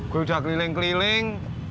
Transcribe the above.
gue udah keliling keliling